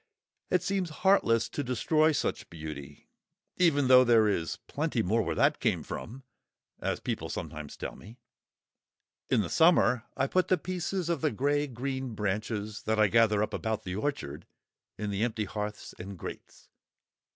It seems heartless to destroy such beauty, even though there is "plenty more where that came from," as people sometimes tell me. In the summer I put the pieces of the grey green branches, that I gather up about the orchard, in the empty hearths and grates.